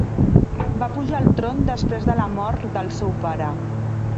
Va pujar al tron després de la mort del seu pare.